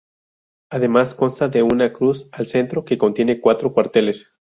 Además consta de un una cruz al centro que contiene cuatro cuarteles.